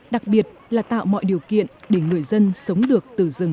đặc biệt là tạo mọi điều kiện để người dân sống được